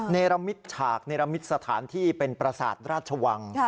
ในละมิดฉากในละมิดสถานที่เป็นประศาจราชวัง